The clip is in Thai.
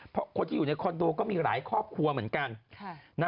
เพราะคนที่อยู่ในคอนโดก็มีหลายครอบครัวเหมือนกัน